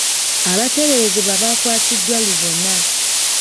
Abateeberezebwa baakwatiddwa lubona.